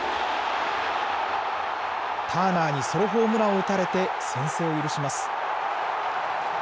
ターナーにソロホームランを打たれて先制を許します。